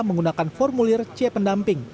menggunakan formulir c pendamping